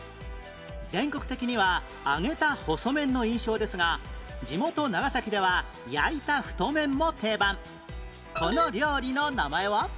全国的には揚げた細麺の印象ですが地元長崎ではこの料理の名前は？